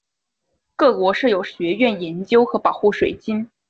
各国设有学院研究和保护水晶。